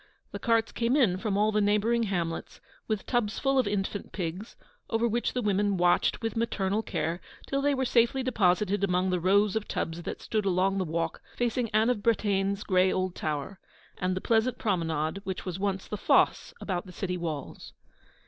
The carts came in from all the neighbouring hamlets, with tubs full of infant pigs, over which the women watched with maternal care till they were safely deposited among the rows of tubs that stood along the walk facing Anne of Bretaigne's grey old tower, and the pleasant promenade which was once the fosse about the city walls.